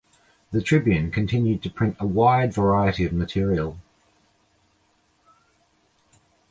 The "Tribune" continued to print a wide variety of material.